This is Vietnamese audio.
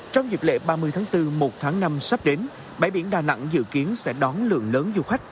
trong dịp lễ ba mươi tháng bốn một tháng năm sắp đến bãi biển đà nẵng dự kiến sẽ đón lượng lớn du khách